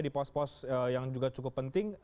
di pos pos yang juga cukup penting